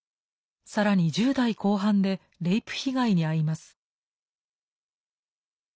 更に１０代後半でレイプ被害にあいます。